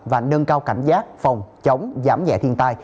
và nâng cao cảnh giác phòng chống giảm nhẹ thiên tai